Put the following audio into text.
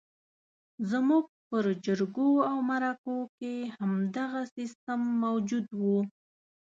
زموږ پر جرګو او مرکو کې همدغه سیستم موجود وو.